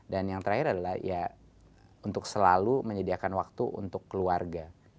dan yang terakhir adalah ya untuk selalu menyediakan waktu untuk keluarga